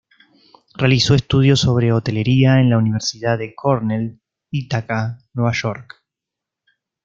Realizó estudios sobre hotelería en la Universidad de Cornell, Ithaca, Nueva York.